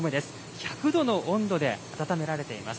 １００度の温度で温められています。